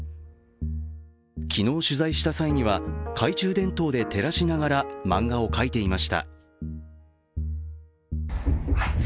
昨日取材した際には懐中電灯で照らしながら漫画を描いていました。